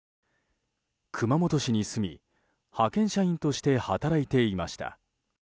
熊本市に住み派遣社員として働いていました。